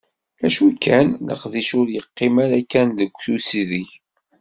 Acu kan, leqdic ur yeqqim ara kan deg usideg.